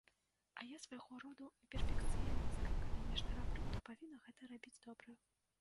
А я свайго роду перфекцыяністка, калі нешта раблю, то павінна гэта рабіць добра.